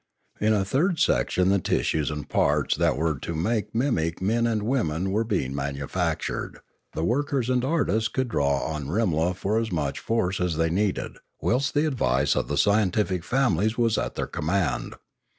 In a third section the tissues and parts that were to make mimic men and women were being manufactured ; the workers and artists could draw on Rimla for as much force as they needed, whilst the advice of the scientific families was at their com mand.